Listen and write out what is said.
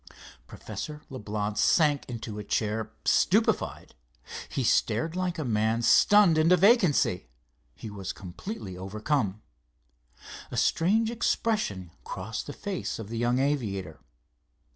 Professor Leblance sank to a chair stupefied. He stared like a man stunned into vacancy. He was completely overcome. A strange expression crossed the face of the young aviator.